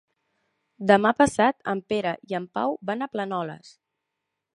Demà passat en Pere i en Pau van a Planoles.